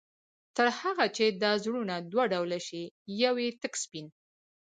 تر هغه چي دا زړونه دوه ډوله شي، يو ئې تك سپين